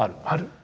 ある。